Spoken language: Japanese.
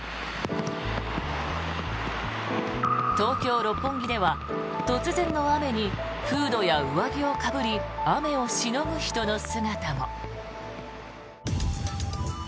東京・六本木では突然の雨にフードや上着をかぶり雨をしのぐ人の姿も。